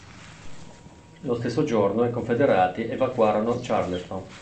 Lo stesso giorno i Confederati evacuarono Charleston.